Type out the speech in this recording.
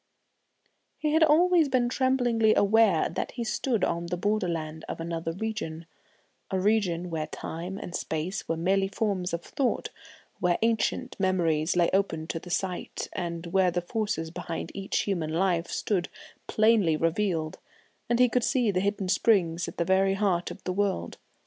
He had always been tremblingly aware that he stood on the borderland of another region, a region where time and space were merely forms of thought, where ancient memories lay open to the sight, and where the forces behind each human life stood plainly revealed and he could see the hidden springs at the very heart of the world.